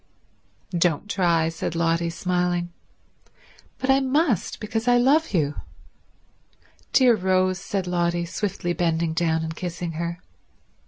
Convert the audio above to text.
"Don't try," said Lotty, smiling. "But I must, because I love you." "Dear Rose," said Lotty, swiftly bending down and kissing her.